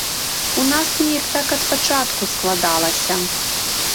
У нас неяк так ад пачатку складалася.